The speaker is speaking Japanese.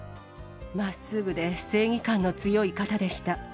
まっすぐで正義感の強い方でした。